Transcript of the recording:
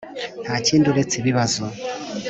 Nta kindi uretse ibibazo